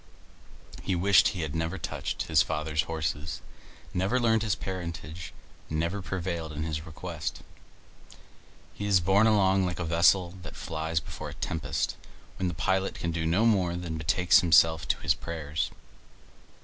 He wished he had never touched his father's horses, never learned his parentage, never prevailed in his request. He is borne along like a vessel that flies before a tempest, when the pilot can do no more and betakes himself to his prayers.